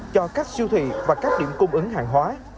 cho các siêu thị và các điểm cung ứng hàng hóa